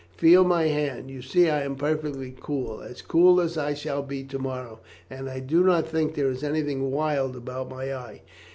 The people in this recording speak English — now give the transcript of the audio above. Feel my hand. You see I am perfectly cool as cool as I shall be to morrow and I do not think there is anything wild about my eye.